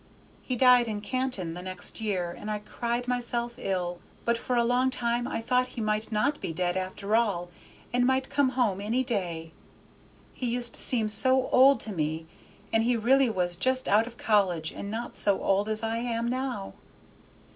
He died in Canton the next year, and I cried myself ill; but for a long time I thought he might not be dead, after all, and might come home any day. He used to seem so old to me, and he really was just out of college and not so old as I am now.